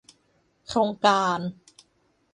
โครงการ